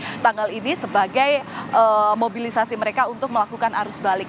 untuk tanggal ini sebagai mobilisasi mereka untuk melakukan arus balik